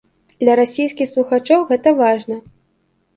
Для расійскіх слухачоў гэта важна.